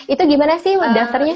itu gimana sih daftarnya